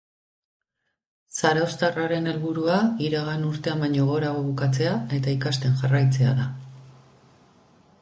Zarauztarraren helburua iragan urtean baino gorago bukatzea eta ikasten jarraitzea da.